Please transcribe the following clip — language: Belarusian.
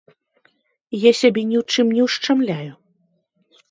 Я сябе ні ў чым не ўшчамляю.